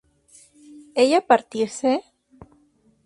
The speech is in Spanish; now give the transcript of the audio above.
¿ella partiese?